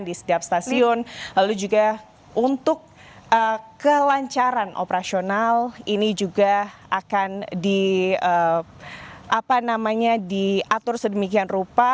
di setiap stasiun lalu juga untuk kelancaran operasional ini juga akan diatur sedemikian rupa